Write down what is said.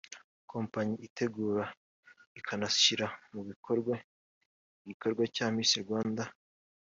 kompanyi itegura ikanashyira mu bikorwa igikorwa cya Miss Rwanda